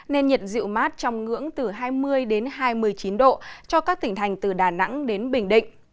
nên nhiệt dịu mát trong ngưỡng từ hai mươi hai mươi chín độ cho các tỉnh thành từ đà nẵng đến bình định